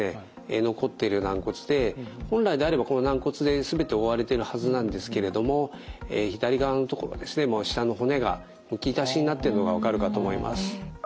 残っている軟骨で本来であればこの軟骨で全て覆われているはずなんですけれども左側の所ですねもう下の骨がむき出しになっているのが分かるかと思います。